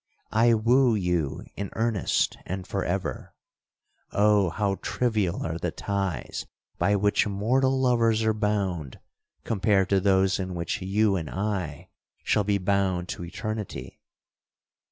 I woo you in earnest, and for ever! Oh how trivial are the ties by which mortal lovers are bound, compared to those in which you and I shall be bound to eternity!